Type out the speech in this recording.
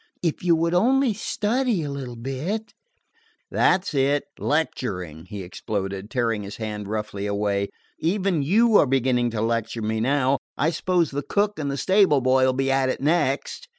If you would only study a little bit " "That 's it! Lecturing!" he exploded, tearing his hand roughly away. "Even you are beginning to lecture me now. I suppose the cook and the stable boy will be at it next."